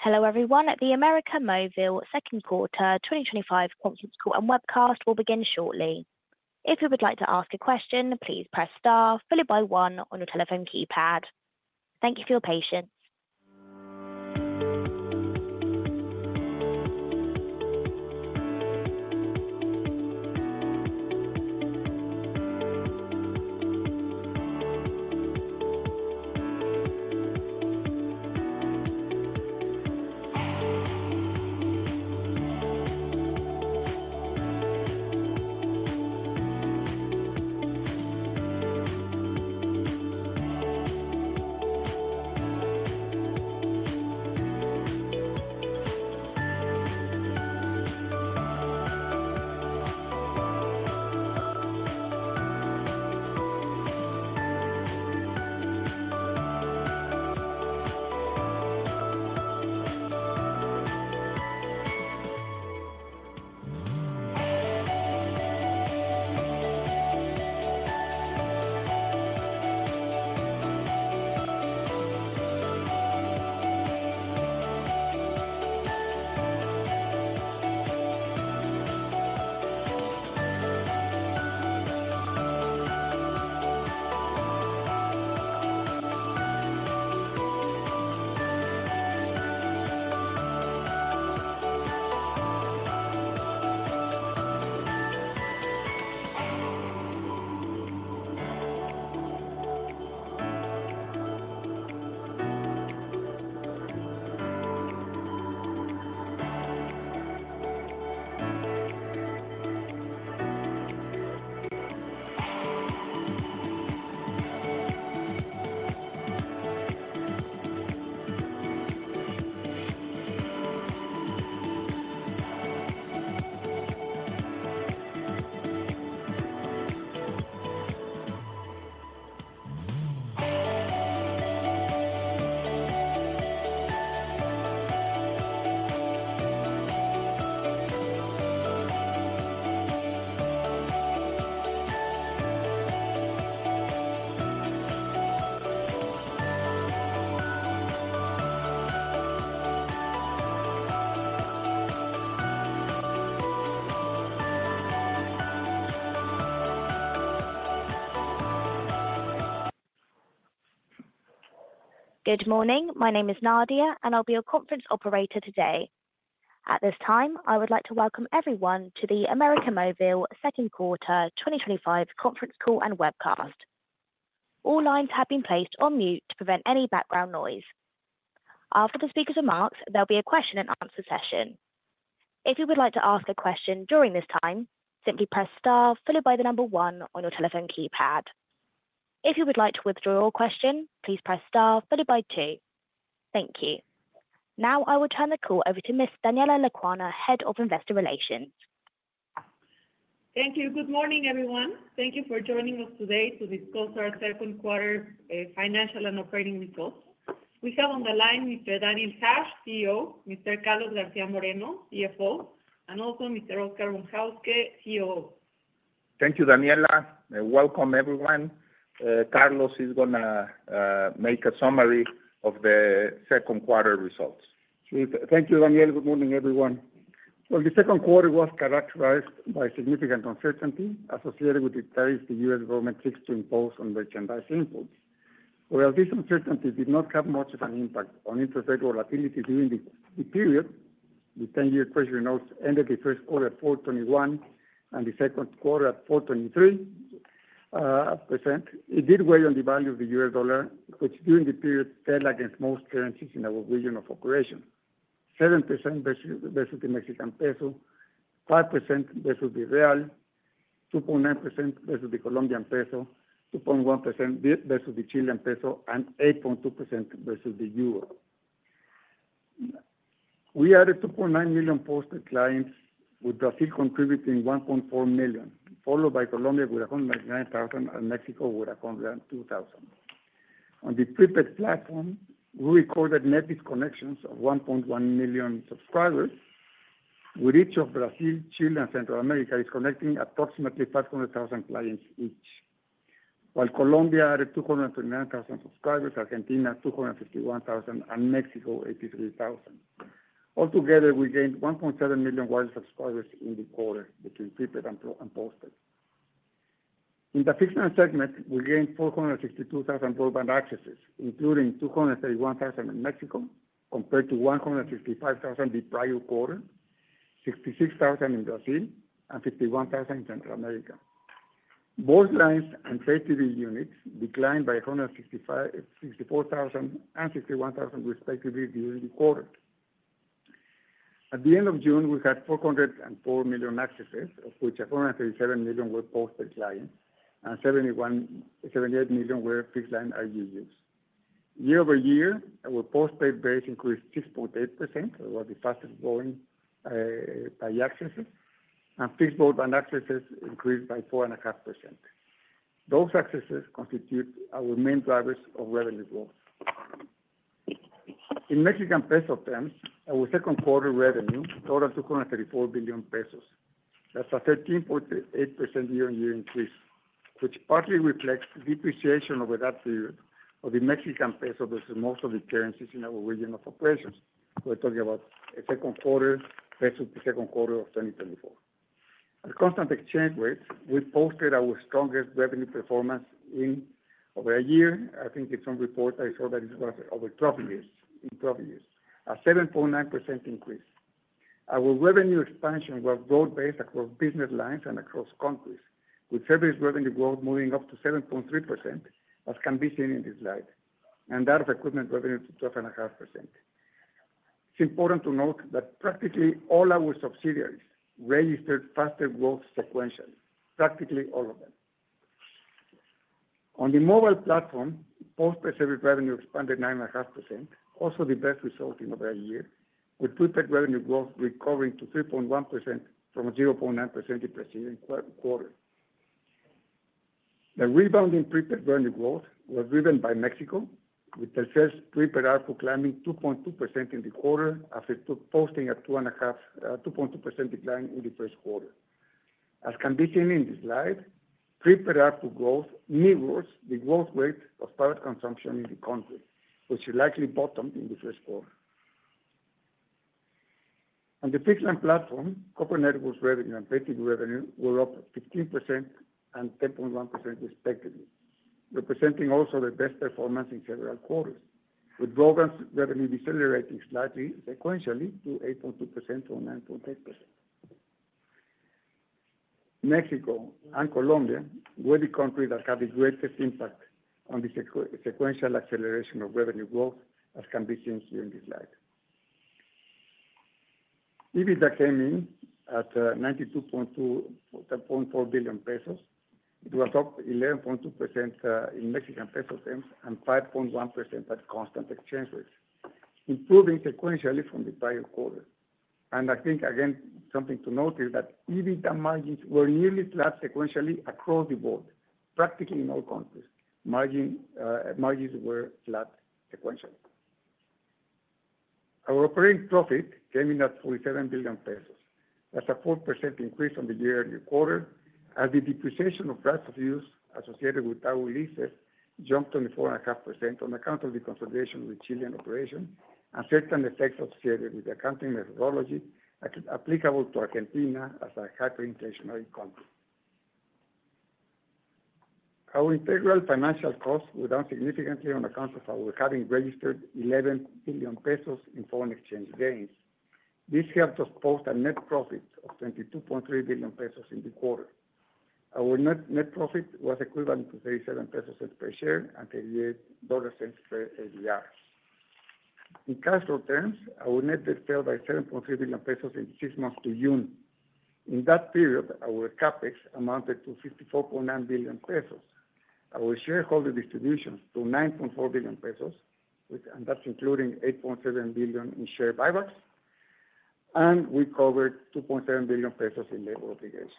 Hello everyone. The América Móvil second quarter 2025 conference call and webcast will begin shortly. If you would like to ask a question, please press star followed by one on your telephone keypad. Thank you for your patience. Good morning. My name is Nadia, and I'll be your conference operator today. At this time, I would like to welcome everyone to the América Móvil second quarter 2025 conference call and webcast. All lines have been placed on mute to prevent any background noise. After the speaker's remarks, there'll be a question-and-answer session. If you would like to ask a question during this time, simply press star followed by the number one on your telephone keypad. If you would like to withdraw your question, please press star followed by two. Thank you. Now I will turn the call over to Miss Daniela Lecuona, Head of Investor Relations. Thank you. Good morning, everyone. Thank you for joining us today to discuss our second quarter financial and operating results. We have on the line Mr. Daniel Hajj, CEO, Mr. Carlos García Moreno, CFO, and also Mr. Óscar Von Hauske, COO. Thank you, Daniela. Welcome, everyone. Carlos is going to make a summary of the second quarter results. Thank you, Daniel. Good morning, everyone. The second quarter was characterized by significant uncertainty associated with the tariffs the U.S. government seeks to impose on merchandise imports. While this uncertainty did not have much of an impact on interest rate volatility during the period, the 10-year Treasury notes ended the first quarter at 4.21% and the second quarter at 4.23%. It did weigh on the value of the US dollar, which during the period fell against most currencies in our region of operation: 7% versus the Mexican peso, 5% versus the real, 2.9% versus the Colombian peso, 2.1% versus the Chilean peso, and 8.2% versus the euro. We added 2.9 million postpaid clients, with Brazil contributing 1.4 million, followed by Colombia with 199,000 and Mexico with 102,000. On the prepaid platform, we recorded net disconnections of 1.1 million subscribers, with each of Brazil, Chile, and Central America disconnecting approximately 500,000 clients each. Colombia added 229,000 subscribers, Argentina 251,000, and Mexico 83,000. Altogether, we gained 1.7 million live subscribers in the quarter between prepaid and postpaid. In the fixed segment, we gained 462,000 broadband accesses, including 231,000 in Mexico, compared to 155,000 the prior quarter, 66,000 in Brazil, and 51,000 in Central America. Voice lines and Pay TV units declined by 164,000 and 61,000 respectively during the quarter. At the end of June, we had 404 million accesses, of which 137 million were postpaid clients and 78 million were fixed-line RGUs. Year-over-year, our postpaid base increased 6.8%, which was the fastest-growing by accesses, and fixed broadband accesses increased by 4.5%. Those accesses constitute our main drivers of revenue growth. In Mexican peso terms, our second quarter revenue totaled 234 billion pesos. That's a 13.8% year-on-year increase, which partly reflects the depreciation over that period of the Mexican peso versus most of the currencies in our region of operations. We're talking about a second quarter versus the second quarter of 2024. At constant exchange rates, we posted our strongest revenue performance in over a year. I think in some reports I saw that it was over 12 years, in 12 years, a 7.9% increase. Our revenue expansion was growth-based across business lines and across countries, with service revenue growth moving up to 7.3%, as can be seen in this slide, and that of equipment revenue to 12.5%. It's important to note that practically all our subsidiaries registered faster growth sequentially, practically all of them. On the mobile platform, postpaid service revenue expanded 9.5%, also the best result in over a year, with prepaid revenue growth recovering to 3.1% from 0.9% in the preceding quarter. The rebound in prepaid revenue growth was driven by Mexico, with the first prepaid ARPU climbing 2.2% in the quarter after posting a 2.2% decline in the first quarter. As can be seen in this slide, prepaid ARPU growth mirrors the growth rate of private consumption in the country, which likely bottomed in the first quarter. On the fixed-line platform, corporate network revenue and Pay TV revenue were up 15% and 10.1% respectively, representing also the best performance in several quarters, with broadband revenue decelerating slightly sequentially to 8.2% from 9.8%. Mexico and Colombia were the countries that had the greatest impact on the sequential acceleration of revenue growth, as can be seen here in this slide. EBITDA came in at 92.4 billion pesos. It was up 11.2% in Mexican peso terms and 5.1% at constant exchange rates, improving sequentially from the prior quarter. I think, again, something to note is that EBITDA margins were nearly flat sequentially across the board, practically in all countries. Margins were flat sequentially. Our operating profit came in at 47 billion pesos. That's a 4% increase from the year-on-year quarter, as the depreciation of rights of use associated with tower leases jumped 24.5% on account of the consolidation with Chilean operations and certain effects associated with the accounting methodology applicable to Argentina as a hyperinflationary country. Our integral financial costs were down significantly on account of our having registered 11 billion pesos in foreign exchange gains. This helped us post a net profit of 22.3 billion pesos in the quarter. Our net profit was equivalent to 0.37 pesos per share and $0.38 per ADR. In cash flow terms, our net debt fell by 7.3 billion pesos in six months to June. In that period, our CapEx amounted to 54.9 billion pesos. Our shareholder distributions to 9.4 billion pesos, and that's including 8.7 billion in share buybacks. We covered 2.7 billion pesos in labor obligations.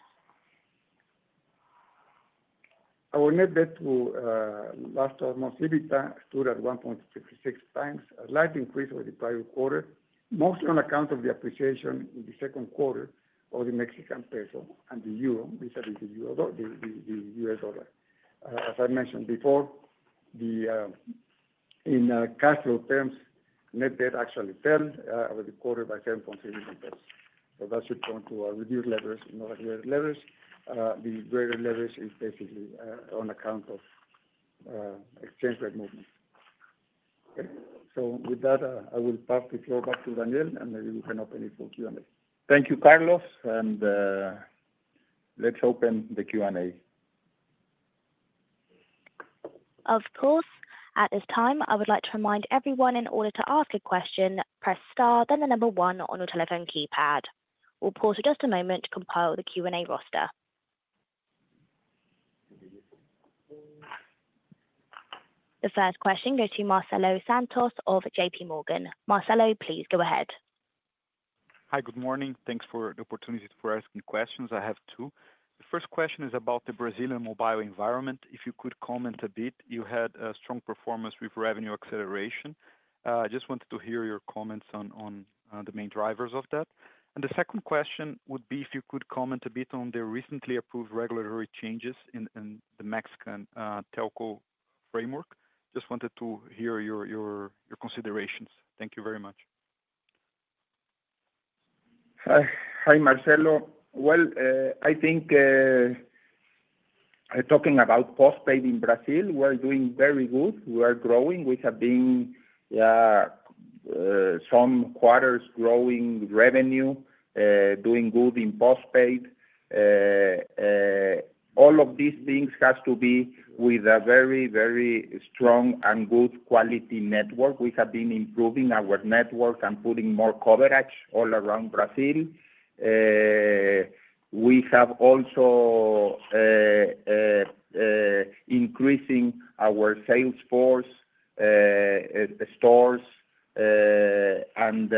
Our net debt-to-last-12-months-EBITDA stood at 1.56x, a slight increase over the prior quarter, mostly on account of the appreciation in the second quarter of the Mexican peso and the euro vis-à-vis the US dollar. As I mentioned before, in cash flow terms, net debt actually fell over the quarter by 7.3 billion. That should come to our reduced leverage, not greater leverage. The greater leverage is basically on account of exchange rate movements. Okay. With that, I will pass the floor back to Daniel, and maybe we can open it for Q&A. Thank you, Carlos. Let's open the Q&A. Of course. At this time, I would like to remind everyone in order to ask a question, press star, then the number one on your telephone keypad. We'll pause for just a moment to compile the Q&A roster. The first question goes to Marcelo Santos of JPMorgan. Marcelo, please go ahead. Hi, good morning. Thanks for the opportunity for asking questions. I have two. The first question is about the Brazilian mobile environment. If you could comment a bit, you had a strong performance with revenue acceleration. I just wanted to hear your comments on the main drivers of that. The second question would be if you could comment a bit on the recently approved regulatory changes in the Mexican telco framework. Just wanted to hear your considerations. Thank you very much. Hi, Marcelo. I think talking about postpaid in Brazil, we're doing very good. We are growing. We have been some quarters growing revenue, doing good in postpaid. All of these things have to be with a very, very strong and good quality network. We have been improving our network and putting more coverage all around Brazil. We have also increased our sales force, stores, and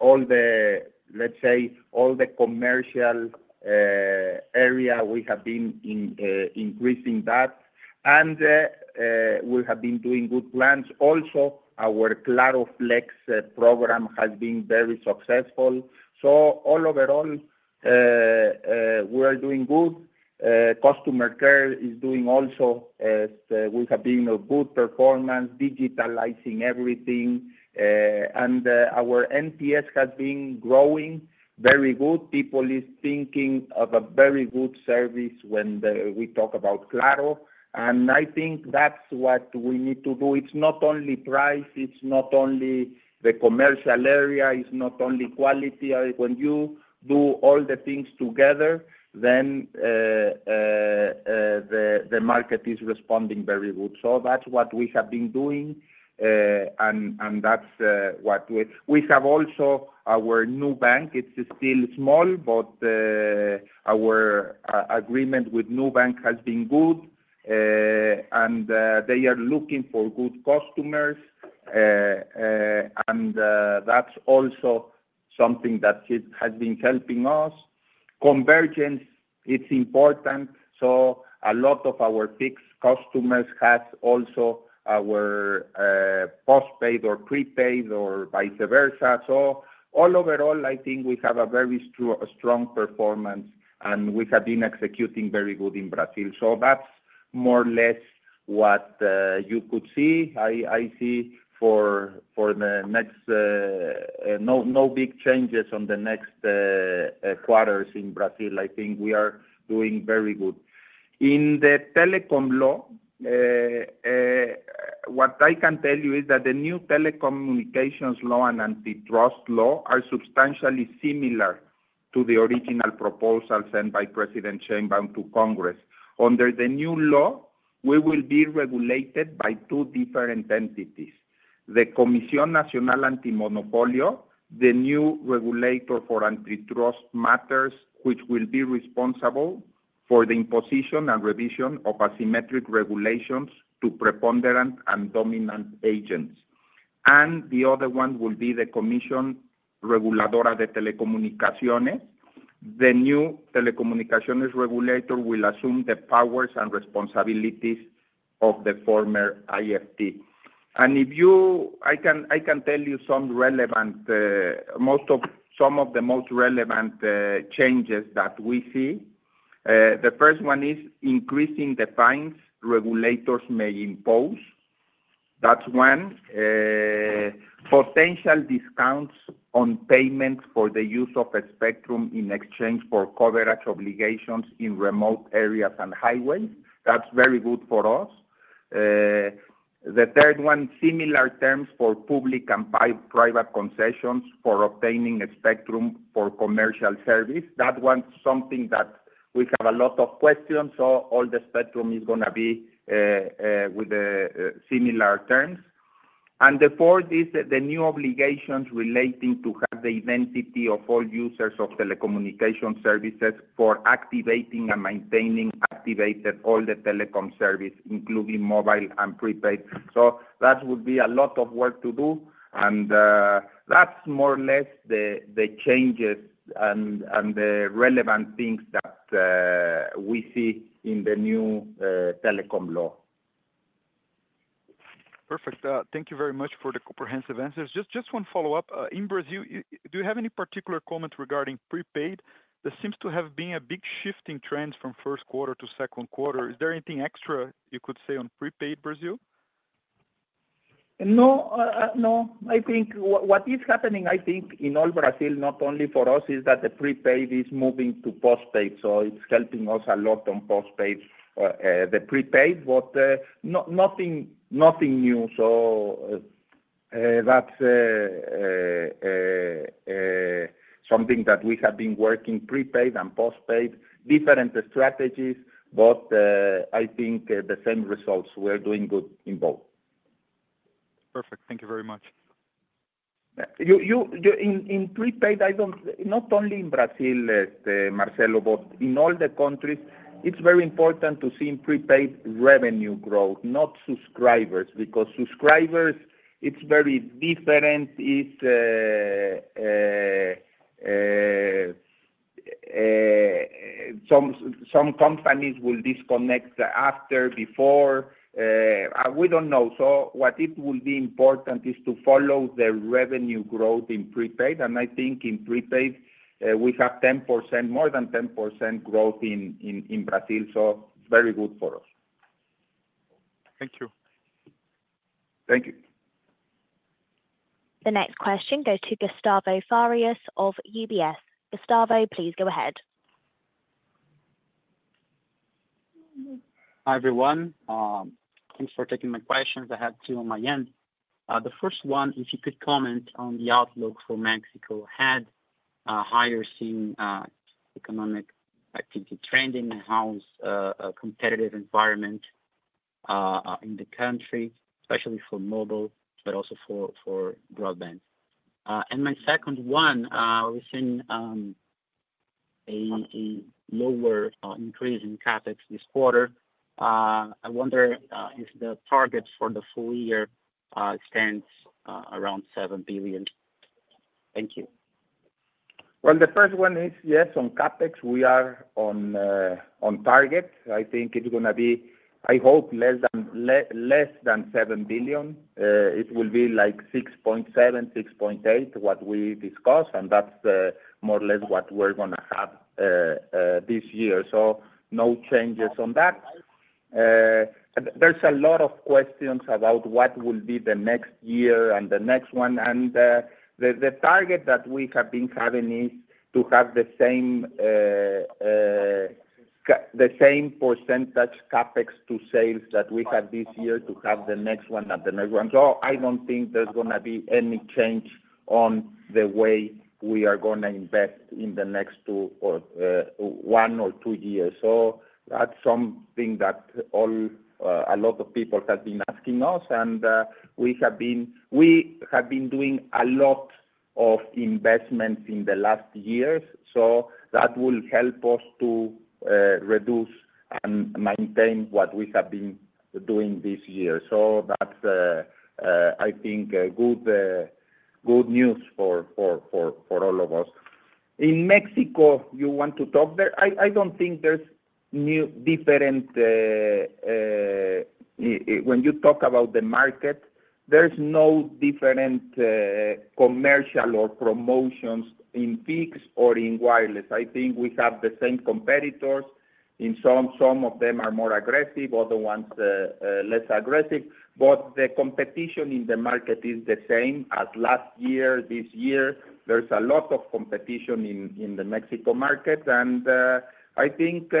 all the, let's say, all the commercial area. We have been increasing that. We have been doing good plans. Also, our Claro Flex program has been very successful. Overall, we are doing good. Customer care is doing also, we have been a good performance, digitalizing everything. Our NPS has been growing very good. People are thinking of a very good service when we talk about Claro. I think that's what we need to do. It's not only price, it's not only the commercial area, it's not only quality. When you do all the things together, the market is responding very good. That's what we have been doing. We have also our Nubank. It's still small, but our agreement with Nubank has been good. They are looking for good customers. That's also something that has been helping us. Convergence is important. A lot of our fixed customers have also our postpaid or prepaid or vice versa. Overall, I think we have a very strong performance, and we have been executing very good in Brazil. That's more or less what you could see. I see for the next, no big changes on the next quarters in Brazil. I think we are doing very good. In the telecom law, what I can tell you is that the new telecommunications law and antitrust law are substantially similar to the original proposal sent by President Sheinbaum to Congress. Under the new law, we will be regulated by two different entities: the Comisión Nacional Antimonopolio, the new regulator for antitrust matters, which will be responsible for the imposition and revision of asymmetric regulations to preponderant and dominant agents. The other one will be the Comisión Reguladora de Telecomunicaciones. The new telecommunications regulator will assume the powers and responsibilities of the former IFT. I can tell you some relevant, most of some of the most relevant changes that we see. The first one is increasing the fines regulators may impose. That's one. Potential discounts on payments for the use of a spectrum in exchange for coverage obligations in remote areas and highways. That's very good for us. The third one, similar terms for public and private concessions for obtaining a spectrum for commercial service. That one's something that we have a lot of questions. All the spectrum is going to be with similar terms. The fourth is the new obligations relating to have the identity of all users of telecommunication services for activating and maintaining activated all the telecom service, including mobile and prepaid. That would be a lot of work to do. That is more or less the changes and the relevant things that we see in the new telecom law. Perfect. Thank you very much for the comprehensive answers. Just one follow-up. In Brazil, do you have any particular comments regarding prepaid? There seems to have been a big shift in trends from first quarter to second quarter. Is there anything extra you could say on prepaid Brazil? No. No. I think what is happening, I think, in all Brazil, not only for us, is that the prepaid is moving to postpaid. So it's helping us a lot on postpaid. The prepaid, but nothing new. That's something that we have been working prepaid and postpaid, different strategies, but I think the same results. We are doing good in both. Perfect. Thank you very much. In prepaid, I don't not only in Brazil, Marcelo, but in all the countries, it's very important to see prepaid revenue growth, not subscribers, because subscribers, it's very different. Some companies will disconnect after, before. We don't know. What it will be important is to follow the revenue growth in prepaid. I think in prepaid, we have 10%, more than 10% growth in Brazil. It's very good for us. Thank you. Thank you. The next question goes to Gustavo Farias of UBS. Gustavo, please go ahead. Hi, everyone. Thanks for taking my questions. I have two on my end. The first one, if you could comment on the outlook for Mexico ahead, how you're seeing economic activity trending and how the competitive environment is in the country, especially for mobile, but also for broadband. My second one, we're seeing a lower increase in CapEx this quarter. I wonder if the target for the full year stands around 7 billion. Thank you. On CapEx, we are on target. I think it's going to be, I hope, less than 7 billion. It will be like 6.7 billion, 6.8 billion, what we discussed. And that's more or less what we're going to have this year. No changes on that. There's a lot of questions about what will be the next year and the next one. The target that we have been having is to have the same percentage CapEx-to-sales that we have this year to have the next one and the next one. I don't think there's going to be any change on the way we are going to invest in the next one or two years. That's something that a lot of people have been asking us. We have been doing a lot of investments in the last years. That will help us to reduce and maintain what we have been doing this year. That's, I think, good news for all of us. In Mexico, you want to talk there? I don't think there's new different. When you talk about the market, there's no different commercial or promotions in fixed or in wireless. I think we have the same competitors. Some of them are more aggressive, other ones less aggressive. The competition in the market is the same as last year, this year. There's a lot of competition in the Mexico market. I think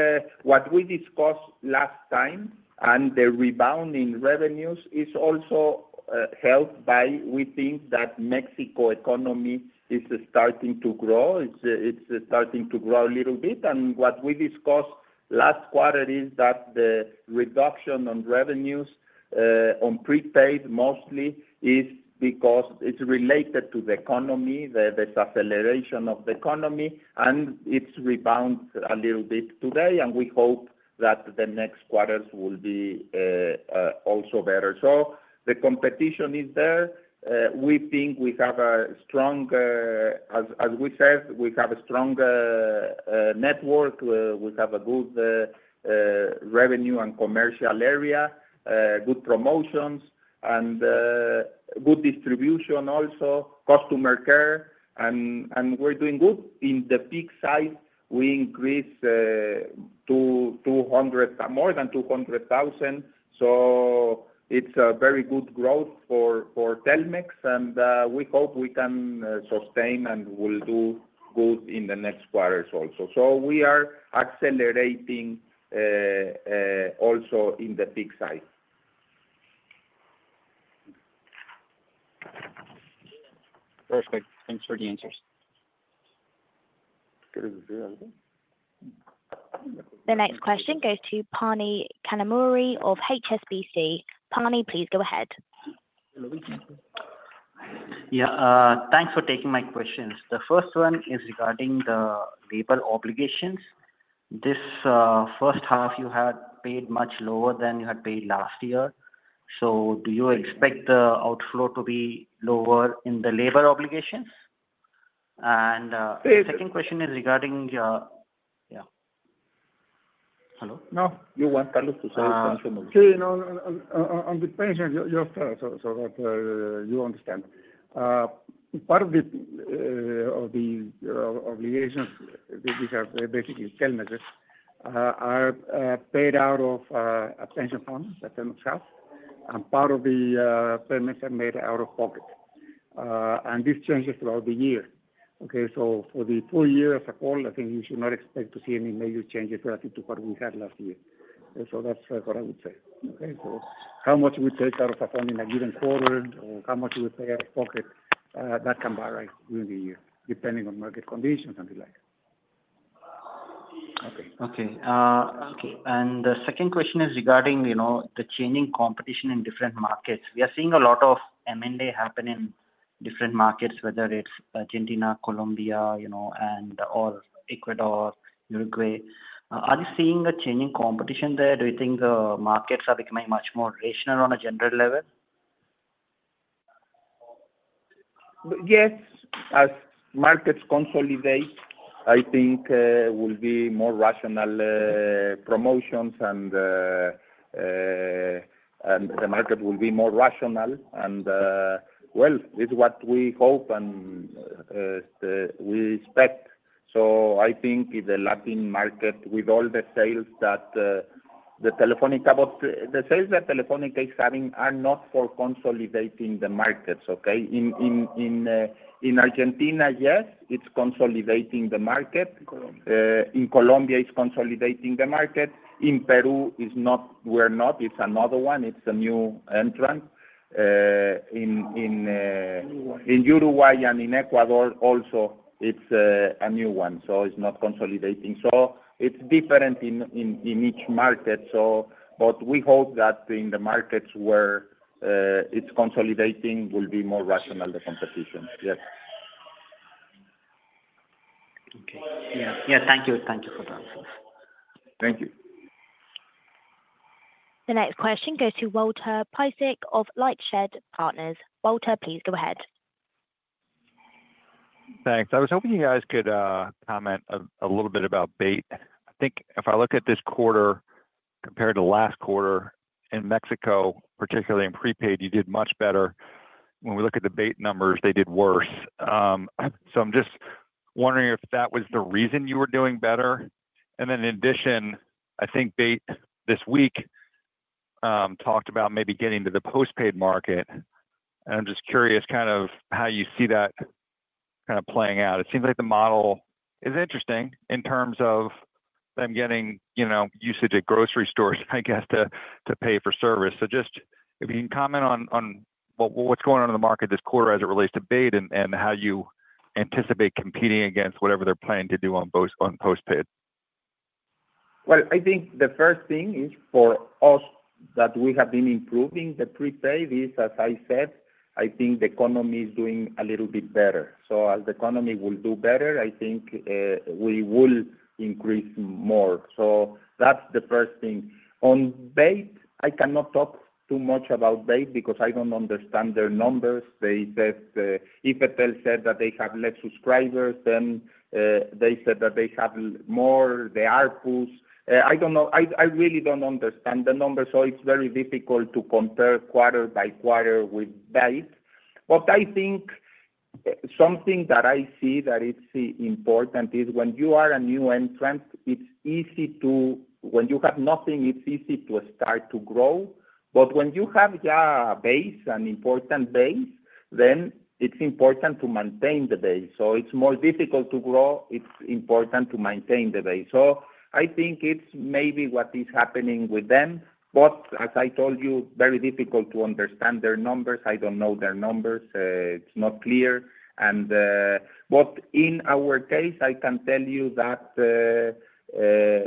what we discussed last time and the rebound in revenues is also helped by we think that Mexico economy is starting to grow. It's starting to grow a little bit. What we discussed last quarter is that the reduction on revenues on prepaid mostly is because it's related to the economy, the disacceleration of the economy, and it's rebounded a little bit today. We hope that the next quarters will be also better. The competition is there. We think we have a strong, as we said, we have a strong network. We have a good revenue and commercial area, good promotions, and good distribution also, customer care. We're doing good. In the big side, we increased to more than 200,000. It's a very good growth for Telmex. We hope we can sustain and will do good in the next quarters also. We are accelerating also in the PIX side. Perfect. Thanks for the answers. The next question goes to Phani Kanumuri of HSBC. Phani, please go ahead. Yeah. Thanks for taking my questions. The first one is regarding the labor obligations. This first half, you had paid much lower than you had paid last year. Do you expect the outflow to be lower in the labor obligations? The second question is regarding. Yeah. Hello? No, you want Carlos to say something? Okay. No, I'm just paying attention to your stuff so that you understand. Part of the obligations that we have, basically Telmex's, are paid out of a pension fund, a pension cash. And part of the payments are made out of pocket. This changes throughout the year. Okay. For the full year as a whole, I think you should not expect to see any major changes relative to what we had last year. That's what I would say. How much we take out of our fund in a given quarter or how much we pay out of pocket, that can vary during the year, depending on market conditions and the like. Okay. The second question is regarding the changing competition in different markets. We are seeing a lot of M&A happen in different markets, whether it's Argentina, Colombia, and/or Ecuador, Uruguay. Are you seeing a changing competition there? Do you think the markets are becoming much more rational on a general level? Yes. As markets consolidate, I think there will be more rational promotions, and the market will be more rational. It's what we hope and we expect. I think in the Latin market, with all the sales that Telefónica, but the sales that Telefónica is having are not for consolidating the markets, okay? In Argentina, yes, it's consolidating the market. In Colombia, it's consolidating the market. In Peru, we're not. It's another one. It's a new entrant. In Uruguay and in Ecuador, also, it's a new one. So it's not consolidating. It's different in each market. We hope that in the markets where it's consolidating, it will be more rational, the competition. Yes. Okay. Thank you. Thank you for that. Thank you. The next question goes to Walter Piecyk of LightShed Partners. Walter, please go ahead. Thanks. I was hoping you guys could comment a little bit about Bait. I think if I look at this quarter compared to last quarter, in Mexico, particularly in prepaid, you did much better. When we look at the Bait numbers, they did worse. I am just wondering if that was the reason you were doing better. In addition, I think Bait this week talked about maybe getting to the postpaid market. I am just curious kind of how you see that kind of playing out. It seems like the model is interesting in terms of them getting usage at grocery stores, I guess, to pay for service. Just if you can comment on what is going on in the market this quarter as it relates to Bait and how you anticipate competing against whatever they are planning to do on postpaid. I think the first thing is for us that we have been improving the prepaid is, as I said, I think the economy is doing a little bit better. As the economy will do better, I think we will increase more. That's the first thing. On Bait, I cannot talk too much about Bait because I don't understand their numbers. If they said that they have less subscribers, then they said that they have more, the ARPUs. I don't know. I really don't understand the numbers. It's very difficult to compare quarter by quarter with Bait. I think something that I see that is important is when you are a new entrant, when you have nothing, it's easy to start to grow. When you have a base, an important base, then it's important to maintain the base. It's more difficult to grow. It's important to maintain the base. I think it's maybe what is happening with them. As I told you, very difficult to understand their numbers. I don't know their numbers. It's not clear. In our case, I can tell you that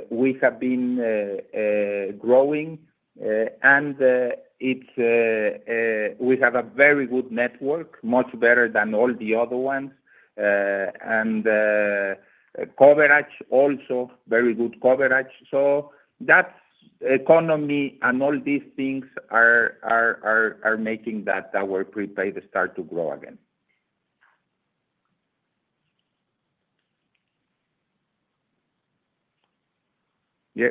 we have been growing. We have a very good network, much better than all the other ones. Coverage also, very good coverage. That economy and all these things are making that our prepaid start to grow again. Yeah.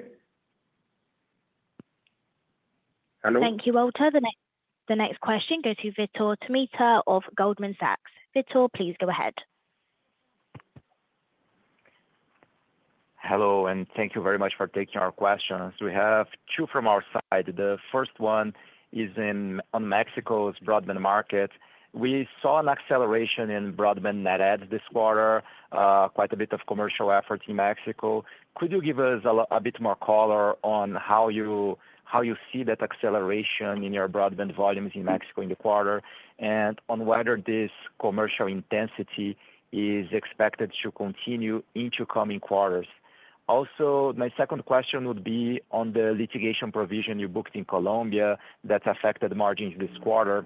Hello? Thank you, Walter. The next question goes to Vitor Tomita of Goldman Sachs. Vitor, please go ahead. Hello, and thank you very much for taking our questions. We have two from our side. The first one is on Mexico's broadband market. We saw an acceleration in broadband net adds this quarter, quite a bit of commercial efforts in Mexico. Could you give us a bit more color on how you see that acceleration in your broadband volumes in Mexico in the quarter and on whether this commercial intensity is expected to continue into coming quarters? Also, my second question would be on the litigation provision you booked in Colombia that affected margins this quarter.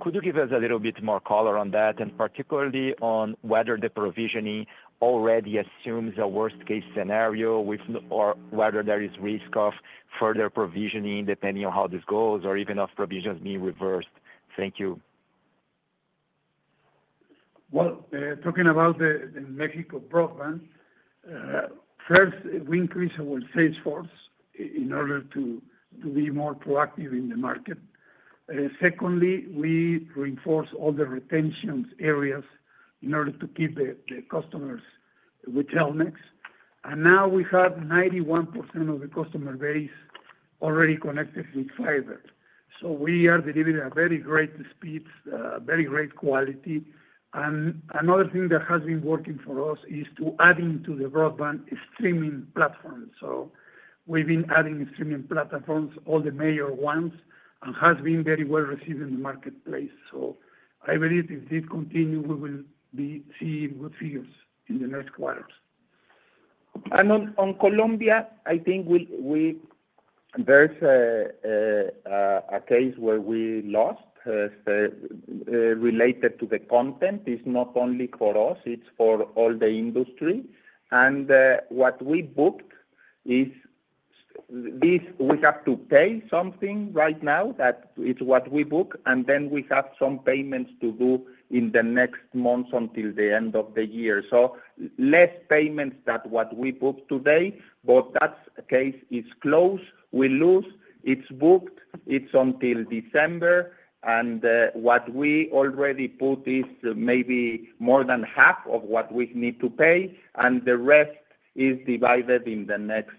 Could you give us a little bit more color on that, and particularly on whether the provisioning already assumes a worst-case scenario or whether there is risk of further provisioning depending on how this goes or even of provisions being reversed? Thank you. Talking about the Mexico broadband. First, we increase our sales force in order to be more proactive in the market. Secondly, we reinforce all the retention areas in order to keep the customers with Telmex. Now we have 91% of the customer base already connected with fiber. We are delivering a very great speed, very great quality. Another thing that has been working for us is to add into the broadband streaming platforms. We have been adding streaming platforms, all the major ones, and it has been very well received in the marketplace. I believe if this continues, we will see good figures in the next quarters. On Colombia, I think there's a case where we lost related to the content. It's not only for us, it's for all the industry. What we booked is we have to pay something right now, that is what we book, and then we have some payments to do in the next months until the end of the year. Fewer payments than what we booked today, but that case is closed. We lose, it's booked, it's until December. What we already booked is maybe more than half of what we need to pay, and the rest is divided in the next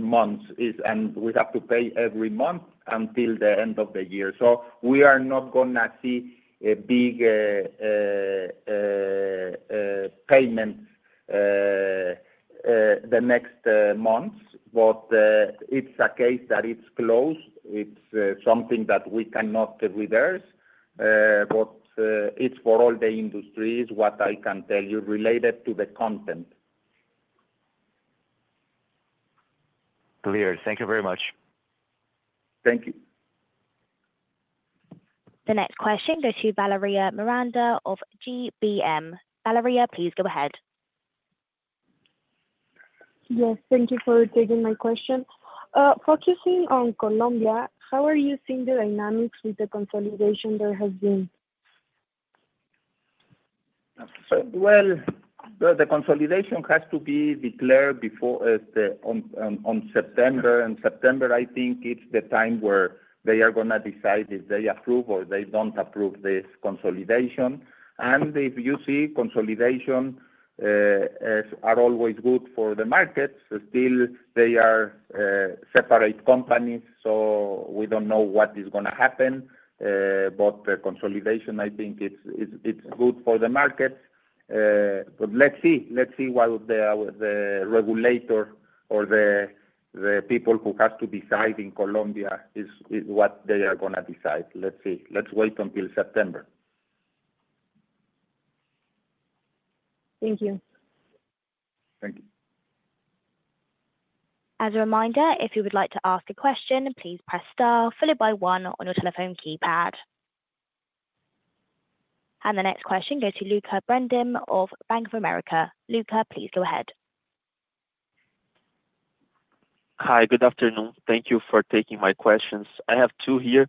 months, and we have to pay every month until the end of the year. We are not going to see a big payment the next months, but it's a case that is closed. It's something that we cannot reverse, but it's for all the industry, what I can tell you related to the content. Clear. Thank you very much. Thank you. The next question goes to Valeria Miranda of GBM. Valeria, please go ahead. Yes. Thank you for taking my question. Focusing on Colombia, how are you seeing the dynamics with the consolidation there has been? The consolidation has to be declared before on September. September, I think, is the time where they are going to decide if they approve or they do not approve this consolidation. If you see, consolidations are always good for the markets. Still, they are separate companies, so we do not know what is going to happen. The consolidation, I think, is good for the markets. Let's see what the regulator or the people who have to decide in Colombia are going to decide. Let's see. Let's wait until September. Thank you. Thank you. As a reminder, if you would like to ask a question, please press star followed by one on your telephone keypad. The next question goes to Lucca Brendim of Bank of America. Lucca, please go ahead. Hi, good afternoon. Thank you for taking my questions. I have two here.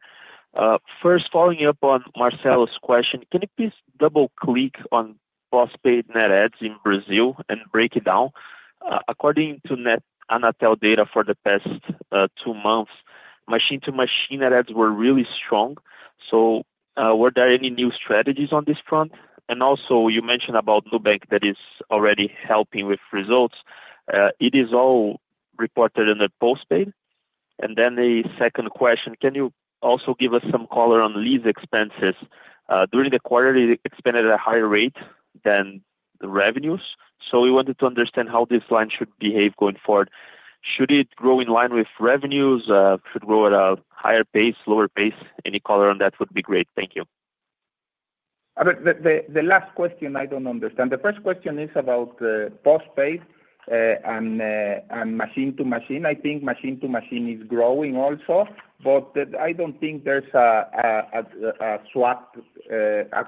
First, following up on Marcelo's question, can you please double-click on postpaid net adds in Brazil and break it down? According to Net Anatel data for the past two months, machine-to-machine adds were really strong. Were there any new strategies on this front? You also mentioned Nubank that is already helping with results. Is it all reported in the postpaid? The second question, can you also give us some color on lease expenses? During the quarter, it expanded at a higher rate than the revenues. We wanted to understand how this line should behave going forward. Should it grow in line with revenues? Should it grow at a higher pace, lower pace? Any color on that would be great. Thank you. The last question, I do not understand. The first question is about postpaid and machine-to-machine. I think machine-to-machine is growing also, but I do not think there is a swap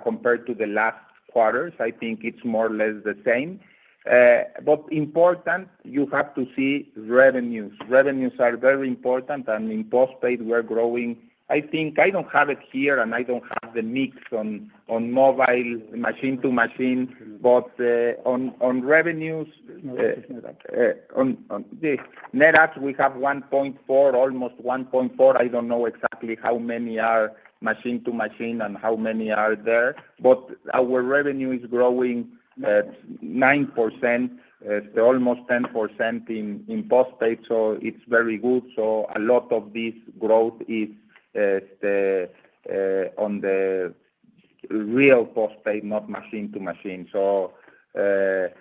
compared to the last quarters. I think it is more or less the same. Important, you have to see revenues. Revenues are very important. In postpaid, we are growing. I think I do not have it here, and I do not have the mix on mobile, machine-to-machine. On revenues, net adds, we have 1.4, almost 1.4. I do not know exactly how many are machine-to-machine and how many are there. Our revenue is growing 9%, almost 10% in postpaid, so it is very good. A lot of this growth is on the real postpaid, not machine-to-machine. If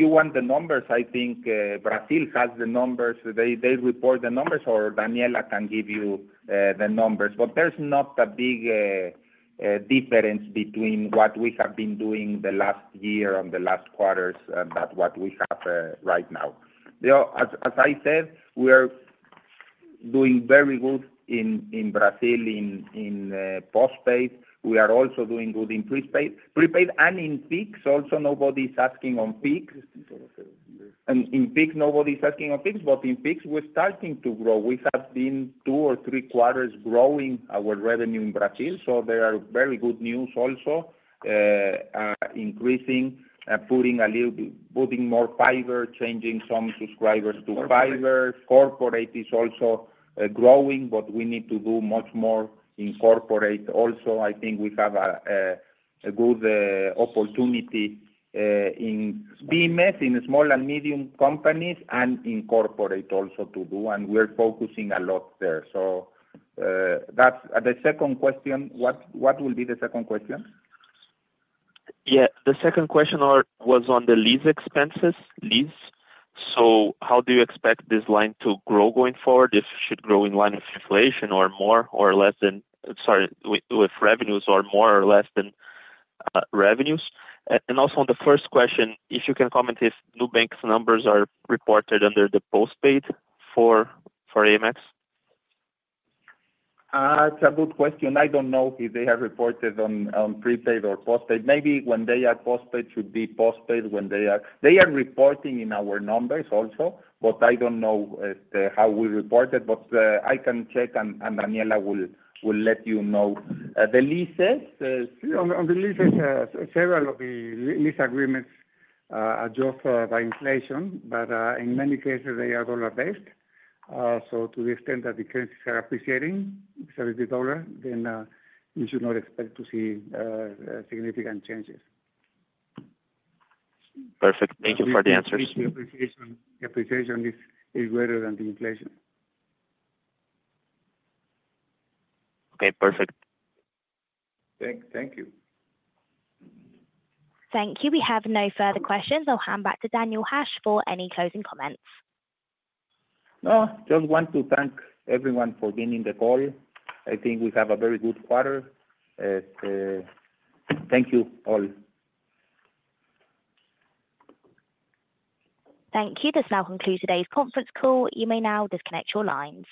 you want the numbers, I think Brazil has the numbers. They report the numbers, or Daniela can give you the numbers. There is not a big difference between what we have been doing the last year, the last quarters, and what we have right now. As I said, we are doing very good in Brazil in postpaid. We are also doing good in prepaid. Prepaid and in PIX also, nobody is asking on PIX. In PIX, nobody is asking on PIX. In PIX, we are starting to grow. We have been two or three quarters growing our revenue in Brazil, so there are very good news also. Increasing, putting more fiber, changing some subscribers to fiber. Corporate is also growing, but we need to do much more in corporate also. I think we have a good opportunity in BMS, in small and medium companies, and in corporate also to do, and we are focusing a lot there. The second question, what will be the second question? Yeah. The second question was on the lease expenses, lease. How do you expect this line to grow going forward, if it should grow in line with inflation or more or less than—sorry, with revenues or more or less than revenues? Also, on the first question, if you can comment if Nubank's numbers are reported under the postpaid for AMX? It's a good question. I don't know if they have reported on prepaid or postpaid. Maybe when they are postpaid, it should be postpaid when they are reporting in our numbers also, but I don't know how we report it. I can check, and Daniela will let you know. The leases. Yeah. On the leases, several of the lease agreements adjust by inflation, but in many cases, they are dollar-based. So to the extent that the currencies are appreciating with the dollar, then you should not expect to see significant changes. Perfect. Thank you for the answers. The appreciation is greater than the inflation. Okay. Perfect. Thank you. Thank you. We have no further questions. I'll hand back to Daniel Hajj for any closing comments. No, just want to thank everyone for being in the call. I think we have a very good quarter. Thank you all. Thank you. This now concludes today's conference call. You may now disconnect your lines.